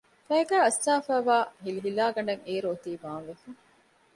ފައިގާ އައްސާފައިވާ ހިލިހިލާގަނޑަށް އެއިރު އޮތީ ވާންވެފަ